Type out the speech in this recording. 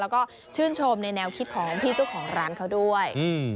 แล้วก็ชื่นชมในแนวคิดของพี่เจ้าของร้านเขาด้วย